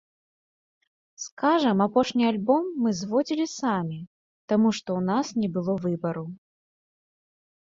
Скажам, апошні альбом мы зводзілі самі, таму што ў нас не было выбару.